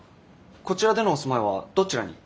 こちらでのお住まいはどちらに？